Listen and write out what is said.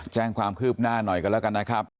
แจ้งความคืบหน้าหน่อยกันแล้วกันนะครับ